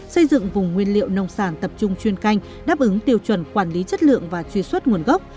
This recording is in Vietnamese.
xây dựng vùng nguyên liệu nông sản tập trung chuyên canh đáp ứng tiêu chuẩn quản lý chất lượng và truy xuất nguồn gốc